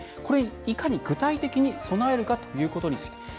これに、いかに具体的に備えるかということについて。